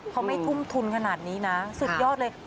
เขาไม่ทุ่มทุนขนาดนี้นะสุดยอดเลย